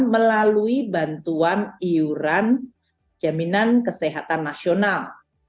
melalui bantuan iuran jaminan kesehatan nasional